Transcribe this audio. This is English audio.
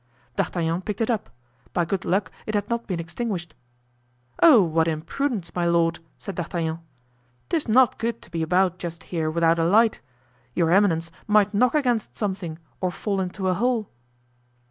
D'Artagnan picked it up; by good luck it had not been extinguished. "Oh, what imprudence, my lord," said D'Artagnan; "'tis not good to be about just here without a light. Your eminence might knock against something, or fall into a hole."